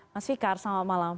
mas fikar selamat malam